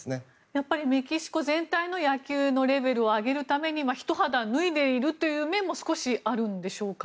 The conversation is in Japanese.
やっぱりメキシコ全体の野球のレベルを上げるためにひと肌脱いでいるという面も少しあるんでしょうか？